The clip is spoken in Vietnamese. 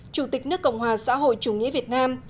chủ tịch nước cộng hòa xã hội chủ nghĩa việt nam